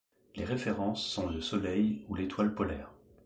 Les références sont le Soleil ou l'étoile polaire.